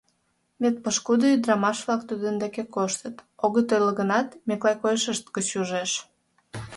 Вет пошкудо ӱдрамаш-влак тудын деке коштыт, огыт ойло гынат, Миклай койышышт гыч ужеш.